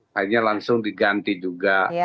akhirnya langsung diganti juga